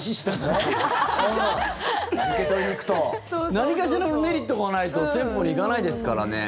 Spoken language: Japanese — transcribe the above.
何かしらのメリットがないと店舗に行かないですからね。